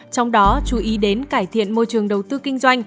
trong đó chú ý đến cải thiện môi trường đầu tư kinh doanh